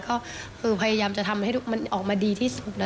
ก็คือพยายามจะทำให้มันออกมาดีที่สุดนะ